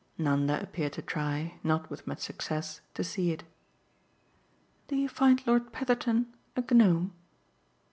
'" Nanda appeared to try not with much success to see it. "Do you find Lord Petherton a Gnome?"